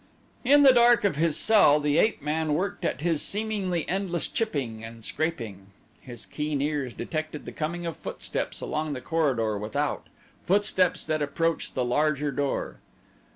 In the dark of his cell the ape man worked at his seemingly endless chipping and scraping. His keen ears detected the coming of footsteps along the corridor without footsteps that approached the larger door.